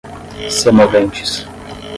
semoventes